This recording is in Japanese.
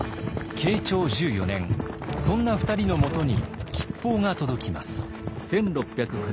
そんな２人のもとに吉報が届きます。